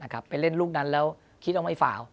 ไปเล่นลูกนั้นแล้วคิดว่าไม่ฝ่า